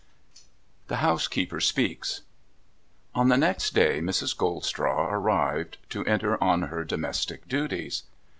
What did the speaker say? THE HOUSEKEEPER SPEAKS On the next day Mrs. Goldstraw arrived, to enter on her domestic duties.